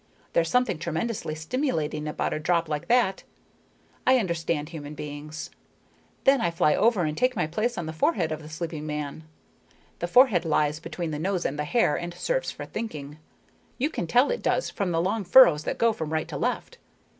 There's something tremendously stimulating about a drop like that. I understand human beings. Then I fly over and take my place on the forehead of the sleeping man. The forehead lies between the nose and the hair and serves for thinking. You can tell it does from the long furrows that go from right to left.